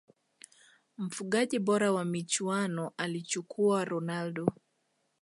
mfungaji bora wa michuano alichukua ronaldo